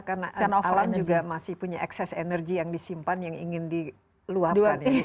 karena alam juga masih punya excess energy yang disimpan yang ingin diluapkan